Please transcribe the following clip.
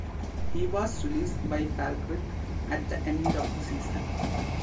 He was released by Falkirk at the end of the season.